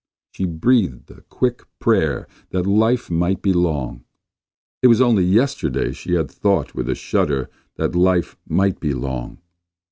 She breathed a quick prayer that life might be long. It was only yesterday she had thought with a shudder that life might be long.